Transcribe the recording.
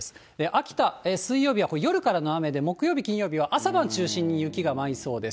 秋田、水曜日は夜からの雨で、木曜日、金曜日は朝晩中心に雪が舞いそうです。